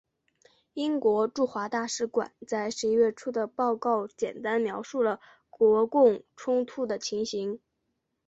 美国驻华大使馆在十一月初的报告简单描述了国共冲突的情形。